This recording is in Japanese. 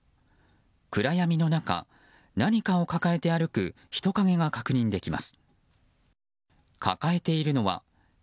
暗闇の中、何かを抱えて歩く人影が確認できます。